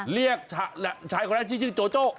เรียกชายคนแรกชื่อโจโจ